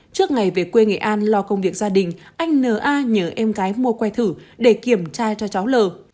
trước ngày về quê nghệ an lo công việc gia đình anh n a nhớ em gái mua quay thử để kiểm tra cho cháu lở